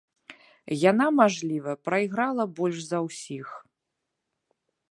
Яна, мажліва, прайграла больш за ўсіх.